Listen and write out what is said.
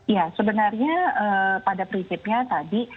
ya sebenarnya pada prinsipnya tadi